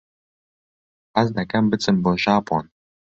حەز دەکەم بچم بۆ ژاپۆن.